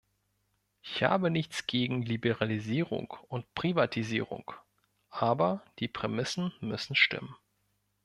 Ich habe nichts gegen Liberalisierung und Privatisierung, aber die Prämissen müssen stimmen.